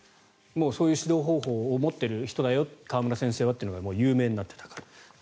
そういう指導方法を持っている人だよ川村先生はというのがもう有名になっていたから。